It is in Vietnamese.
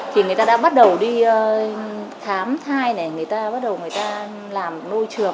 thì người ta đã bắt đầu đi thám thai này người ta bắt đầu người ta làm nôi trường